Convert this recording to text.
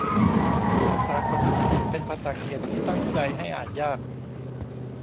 ภาษากฎหมาย เป็นภาษาเขียนที่ตั้งใจให้อ่านยาก